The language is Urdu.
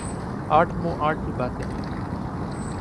آٹھ منہ آٹھ ہی باتیں ۔